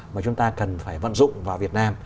mà chúng ta cần phải vận dụng vào việt nam